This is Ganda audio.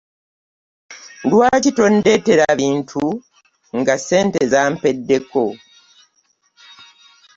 Lwaki ondetera ebintu nga ssente zampedeko?